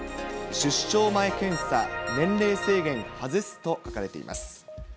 出生前検査、年齢制限外すと書かれています。